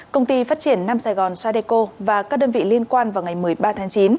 công ty phát triển nam sài gòn sadeco và các đơn vị liên quan vào ngày một mươi ba tháng chín